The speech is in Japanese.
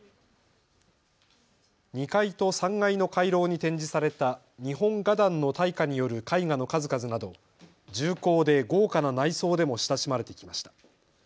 ２階と３階の回廊に展示された日本画壇の大家による絵画の数々など重厚で豪華な内装でも親しまれてきました。